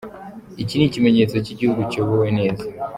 Iki Ni ikimenyetso k'igihugu kiyobowe neza.